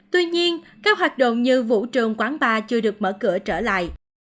tuy nhiên các hoạt động như vũ trường quán bar chưa được mở cửa trở lại